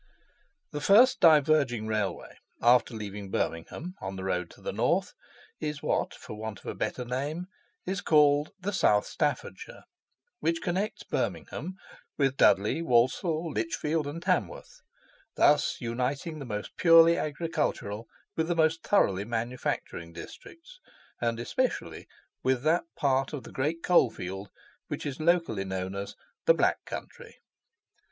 The first diverging railway after leaving Handsworth, on the road to the north, is what, for want of a better name, is called the South Staffordshire, which connects Birmingham with Dudley, Walsall, Lichfield, and Tamworth, thus uniting the most purely agricultural with the most thoroughly manufacturing districts, and especially with that part of the great coal field which is locally known as the "Black Country."